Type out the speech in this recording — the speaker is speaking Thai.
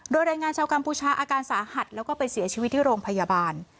โดยแรงงานชาวกัมพูชาอาการสาหัสแล้วก็ไปเสียชีวิตที่โรงพยาบาล